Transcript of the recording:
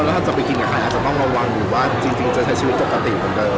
แล้วอาจจะไปกินกับใครอาจจะต้องระวังหรือว่าจริงจะใช้ชีวิตปกติเหมือนเดิม